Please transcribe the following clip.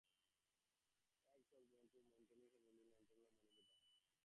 Wiebe was born to a Mennonite family in Altona, Manitoba.